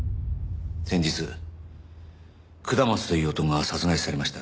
先日下松という男が殺害されました。